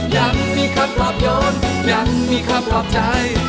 ยังมีคำขอบโยนยังมีคำขอบใจ